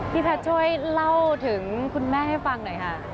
แพทย์ช่วยเล่าถึงคุณแม่ให้ฟังหน่อยค่ะ